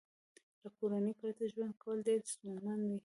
له کورنۍ پرته ژوند کول ډېر ستونزمن وي